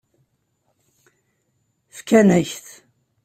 Fkan-ak-t.